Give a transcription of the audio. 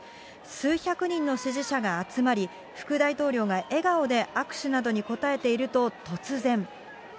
数百人の支持者が集まり、副大統領が笑顔で握手などに応えていると、突然。